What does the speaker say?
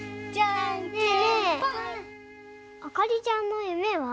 あかりちゃんの夢は？